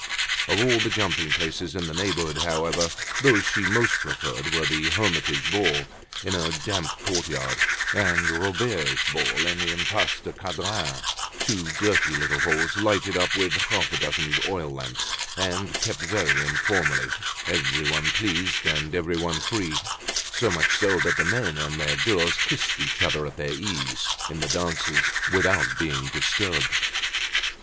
Of all the jumping places of the neighborhood, however, those she most preferred were the "Hermitage Ball" in a damp courtyard and "Robert's Ball" in the Impasse du Cadran, two dirty little halls, lighted up with a half dozen oil lamps, and kept very informally, everyone pleased and everyone free, so much so that the men and their girls kissed each other at their ease, in the dances, without being disturbed.